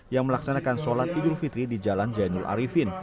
yang melaksanakan sholat idul fitri di jalan jainul arifin